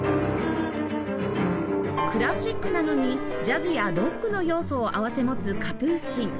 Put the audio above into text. クラシックなのにジャズやロックの要素を併せ持つカプースチン